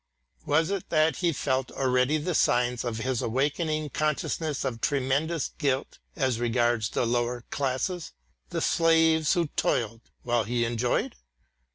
Was it that he felt already the signs of this awakening consciousness of tremendous guilt as regards the lower classes, the slaves who toiled, while he enjoyed?